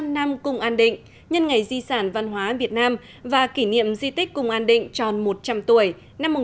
một trăm linh năm cung an định nhân ngày di sản văn hóa việt nam và kỷ niệm di tích cung an định tròn một trăm linh tuổi năm một nghìn chín trăm một mươi bảy hai nghìn một mươi bảy